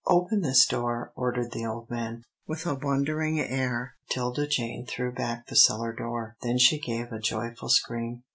"Open this door," ordered the old man. With a wondering air 'Tilda Jane threw back the cellar door. Then she gave a joyful scream.